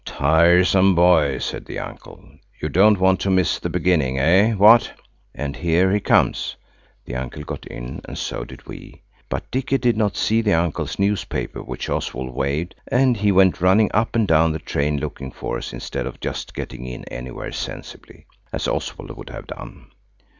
"Tiresome boy!" said the uncle; "you don't want to miss the beginning–eh, what? Ah, here he comes!" The uncle got in, and so did we, but Dicky did not see the uncle's newspaper which Oswald waved, and he went running up and down the train looking for us instead of just getting in anywhere sensibly, as Oswald would have done.